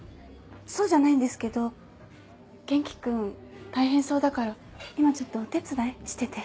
そうじゃないんですけど元気君大変そうだから今ちょっとお手伝いしてて。